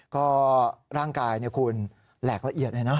ก็ร่างกายคุณแหลกละเอียดเลยนะ